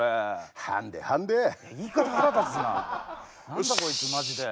何だこいつまじで。